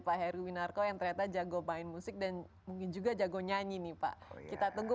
pak heruwinarko yang ternyata jago main musik dan mungkin juga jago nyanyi nih pak kita tunggu